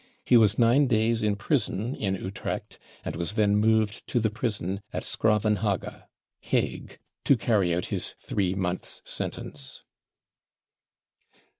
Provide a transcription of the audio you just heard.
He was nine days in prison in Utrecht, and was then moved to the prison at S'Gravenhage (Hague) to carry out his three months sentence.